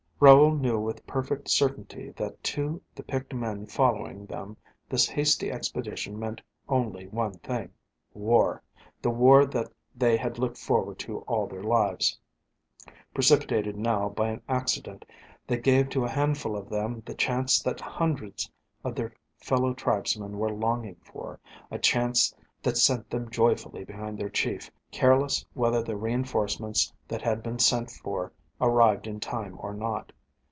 Raoul knew with perfect certainty that to the picked men following them this hasty expedition meant only one thing war, the war that they had looked forward to all their lives, precipitated now by an accident that gave to a handful of them the chance that hundreds of their fellow tribesmen were longing for, a chance that sent them joyfully behind their chief, careless whether the reinforcements that had been sent for arrived in time or not.